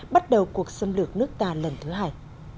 bắt đầu cuộc xâm lược nước ta lần thứ hai